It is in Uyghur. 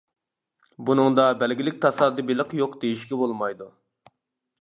بۇنىڭدا بەلگىلىك تاسادىپىيلىق يوق دېيىشكە بولمايدۇ.